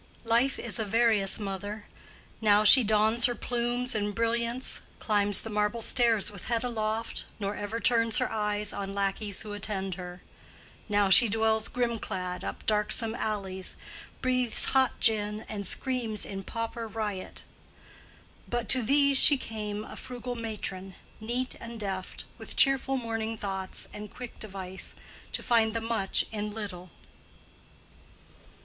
Life is a various mother: now she dons Her plumes and brilliants, climbs the marble stairs With head aloft, nor ever turns her eyes On lackeys who attend her; now she dwells Grim clad, up darksome alleys, breathes hot gin, And screams in pauper riot. But to these She came a frugal matron, neat and deft, With cheerful morning thoughts and quick device To find the much in little.